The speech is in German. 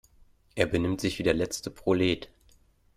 Er benimmt sich wie der letzte Prolet.